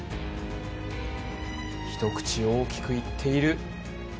一口大きくいっている。